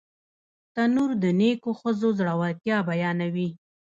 تنور د نیکو ښځو زړورتیا بیانوي